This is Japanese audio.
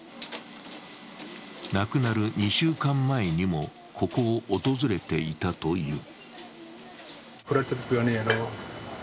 亡くなる２週間前にも、ここを訪れていたという。